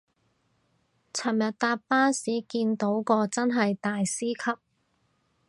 尋日搭巴士見到個真係大師級